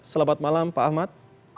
selamat malam pak ahmad